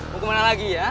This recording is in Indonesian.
mau kemana lagi ya